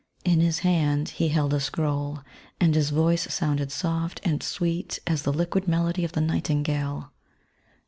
In his hand he held a scroll, and his voice sounded soft and sweet as the liquid melody (^ the nightingale.